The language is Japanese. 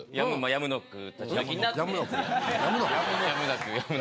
やむのく？